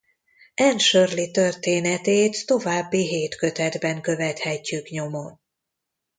Anne Shirley történetét további hét kötetben követhetjük nyomon.